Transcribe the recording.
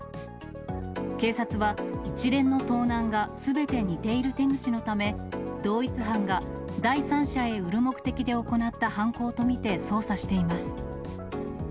警察は、一連の盗難がすべて似ている手口のため、同一犯が第三者へ売る目的で行った犯行と見て捜査しています。